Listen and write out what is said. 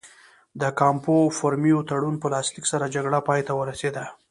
د کامپو فورمیو تړون په لاسلیک سره جګړه پای ته ورسېده.